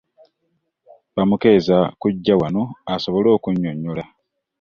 Bamukeeza kujja wano asobole okunyonyola